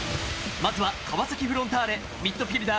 まずは川崎フロンターレ・ミッドフィルダー。